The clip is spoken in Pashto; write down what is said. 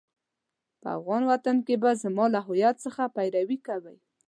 په افغان وطن کې به زما له هويت څخه پيروي کوئ.